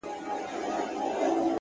هره ناکامي د اصلاح پیغام لري!